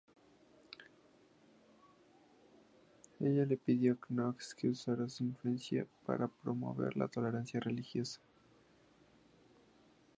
Ella le pidió a Knox que usara su influencia para promover la tolerancia religiosa.